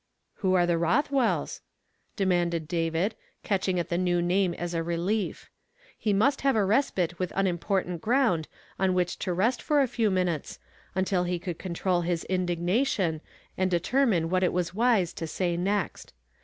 " Who are the Rotlnvells ?" demanded David, catching at the new nanie as a relief. He nnist have a respite with unimportant ground on wliicli to rest for a few minutes, until he could control his indignation, and determine what it was wise to say next.